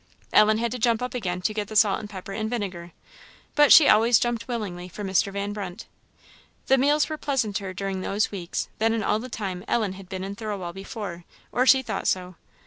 Ellen had to jump up again to get the salt and pepper and vinegar; but she always jumped willingly for Mr. Van Brunt. The meals were pleasanter during those weeks than in all the time Ellen had been in Thirlwall before; or she thought so.